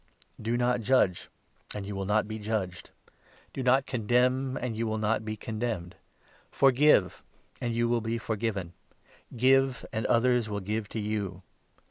Do not judge, and you will not be 37 judging judged ; do not condemn, and you will not be con others, demned. Forgive, and you will be forgiven. Give, and others will give to you.